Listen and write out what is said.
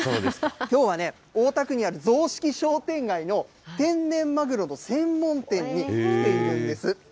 きょうはね、大田区にある雑色商店街の天然マグロの専門店に来ているんです。